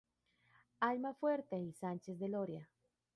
Almafuerte y Sánchez de Loria.